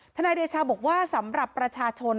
นายเดชาบอกว่าสำหรับประชาชน